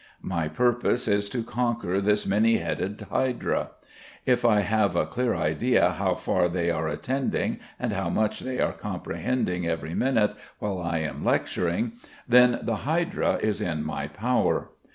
My purpose is to conquer this many headed hydra. If I have a clear idea how far they are attending and how much they are comprehending every minute while I am lecturing, then the hydra is in my power.